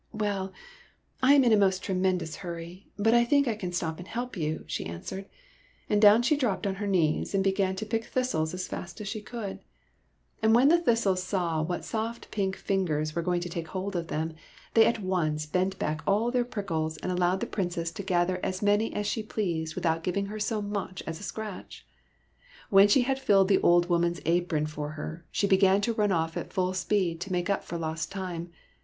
'' Well, I am in a most tremendous hurry, but I think I can stop and help you," she an swered ; and down she dropped on her knees and began to pick thistles as fast as she could. And when the thistles saw what soft pink fin gers were going to take hold of them, they at once bent back all their prickles and allowed SOMEBODY ELSE'S PRINCE ^^ the Princess to gather as many as she pleased without giving her so much as a scratch. When she had filled the old woman's apron for her, she began to run off at full speed, to make up for lost time.